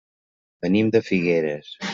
Venim de Figueres.